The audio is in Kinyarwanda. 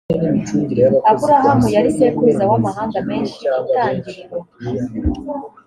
aburahamu yari sekuruza w amahanga menshi itangiriro